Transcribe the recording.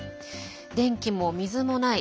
電気も水もない